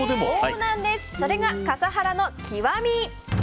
それが、笠原の極み。